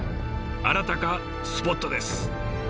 あらたかスポットです。